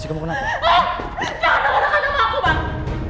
jangan menggunakan nama aku bang